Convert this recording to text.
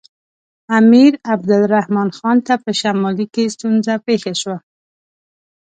امیر عبدالرحمن خان ته په شمال کې ستونزه پېښه شوه.